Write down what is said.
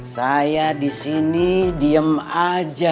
saya disini diem aja